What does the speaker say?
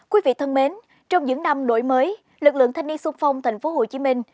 quý vị thân mến trong những năm đổi mới lực lượng thanh niên xung phong thành phố hồ chí minh